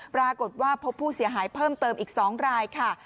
ปรากฏว่าพบผู้เสียหายเพิ่มเติมอีก๒รายค่ะ